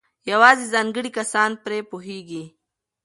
یوازې ځانګړي کسان پرې پوهېږي.